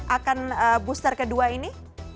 akan booster kedua ini